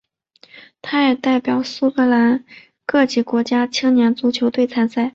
他也代表苏格兰各级国家青年足球队参赛。